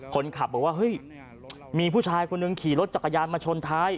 คนขับบอกว่าเฮ้ยมีผู้ชายคนหนึ่งขี่รถจักรยานมาชนท้าย